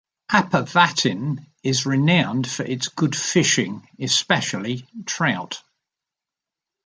Apavatn is renowned for its good fishing, especially trout.